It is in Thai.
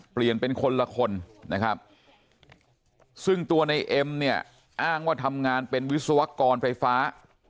เป็นคนละคนนะครับซึ่งตัวในเอ็มเนี่ยอ้างว่าทำงานเป็นวิศวกรไฟฟ้า